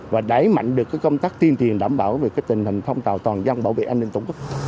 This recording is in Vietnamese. và đẩy mạnh được cái công tác tiên tiền đảm bảo về cái tình hình thông tàu toàn dân bảo vệ an ninh tổng thức